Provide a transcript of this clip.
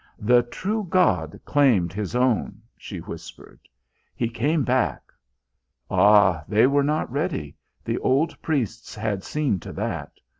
"The true God claimed His own," she whispered. "He came back. Ah, they were not ready the old priests had seen to that.